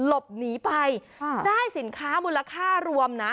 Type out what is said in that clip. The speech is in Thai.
หลบหนีไปได้สินค้ามูลค่ารวมนะ